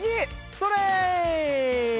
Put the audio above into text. それ！